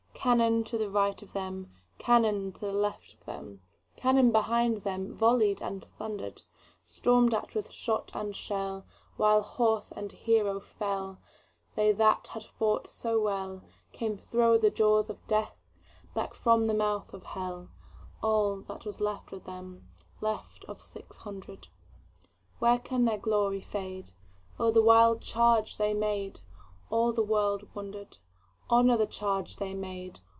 Cannon to right of them, Cannon to left of them, Cannon behind themVolley'd and thunder'd; Storm'd at with shot and shell, While horse and hero fell, They that had fought so wellCame thro' the jaws of Death, Back from the mouth of Hell, All that was left of them, Left of six hundred. When can their glory fade?O the wild charge they made! All the world wonder'd. Honor the charge they made!